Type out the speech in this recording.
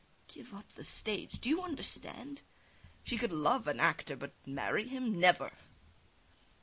Give up the stage! Do you understand? She could love an actor, but marry him never!